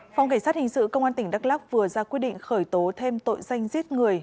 phòng cảnh sát hình sự công an tỉnh đắk lắc vừa ra quyết định khởi tố thêm tội danh giết người